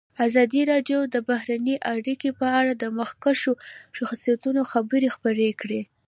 ازادي راډیو د بهرنۍ اړیکې په اړه د مخکښو شخصیتونو خبرې خپرې کړي.